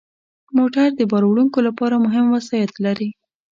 موټر د بار وړونکو لپاره مهم وسایط لري.